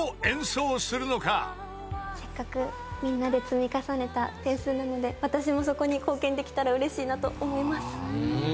せっかくみんなで積み重ねた点数なので私もそこに貢献できたらうれしいなと思います。